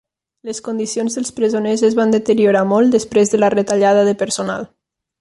Les condicions dels presoners es van deteriorar molt després de la retallada de personal.